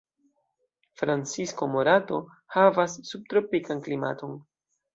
Francisco Morato havas subtropikan klimaton.